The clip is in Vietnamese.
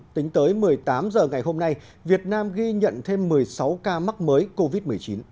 tính tới một mươi tám h ngày hôm nay việt nam ghi nhận thêm một mươi sáu ca mắc mới covid một mươi chín